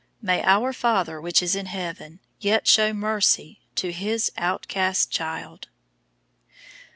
May our Father which is in heaven yet show mercy to His outcast child!